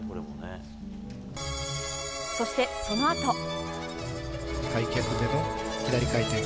そして、そのあと。